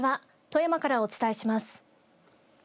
富山からお伝えします。